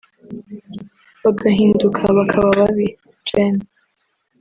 bagahinduka bakaba babi (Gen